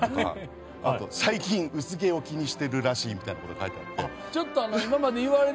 最近、薄毛を気にしているらしいみたいなことが書かれていて。